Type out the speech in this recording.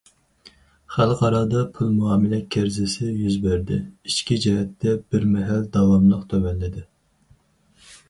خەلقئارادا پۇل مۇئامىلە كىرىزىسى يۈز بەردى، ئىچكى جەھەتتە بىرمەھەل داۋاملىق تۆۋەنلىدى.